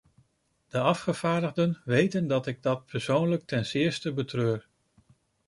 De afgevaardigden weten dat ik dat persoonlijk ten zeerste betreur.